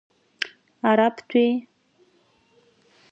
Ара бтәеи!